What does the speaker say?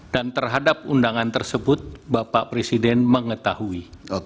dan terhadap undangan tersebut bapak presiden mengetahui